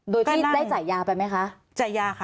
โดยที่ได้จ่ายยาไปไหมคะจ่ายยาค่ะ